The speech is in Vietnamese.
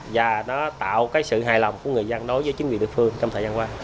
và nó tạo cái sự hài lòng của người dân đối với chính quyền địa phương trong thời gian qua